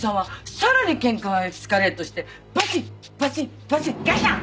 さらに喧嘩がエスカレートしてバチンバチンバチンガシャン！